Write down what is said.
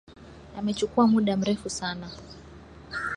Amechukua muda mrefu sana.